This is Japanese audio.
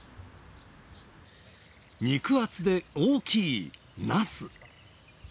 肉厚で大きいナス。